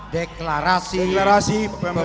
deklarasi pemilihan damai